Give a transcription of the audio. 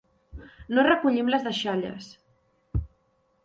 No recollim les deixalles.